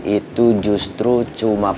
itu justru cuma perangkatnya